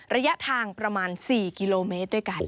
ระยะทางประมาณ๔กิโลเมตรด้วยกัน